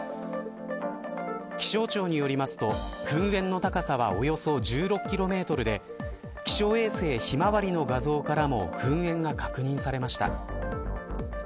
気象庁によりますと噴煙の高さはおよそ１６キロメートルで気象衛星ひまわりの画像からも噴煙が確認されました。